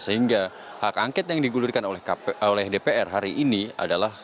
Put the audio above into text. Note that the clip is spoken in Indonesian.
sehingga hak angket yang digulirkan oleh dpr hari ini adalah